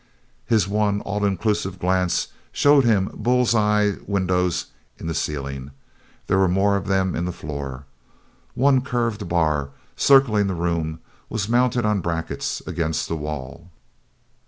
His one all inclusive glance showed him bull's eye windows in the ceiling. There were more of them in the floor. One curved bar, circling the room, was mounted on brackets against the wall.